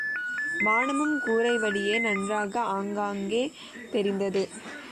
வானமும் கூரை வழியே நன்றாக ஆங்காங்கே தெரிந்தது.